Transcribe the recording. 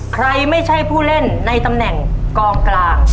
ใครไม่ใช่ผู้เล่นในตำแหน่งกองกลาง